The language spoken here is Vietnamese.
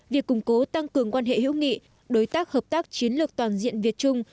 việc củng cố tăng cường quan hệ hữu nghị đối tác hợp tác chiến lược toàn diện việt trung